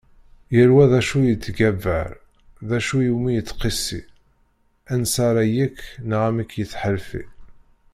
Yal wa d acu yettgabar, d acu iwumi yettqissi, ansa ara yekk neɣ amek yettḥalfi.